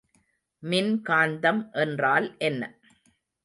மின்காந்தம் என்றால் என்ன?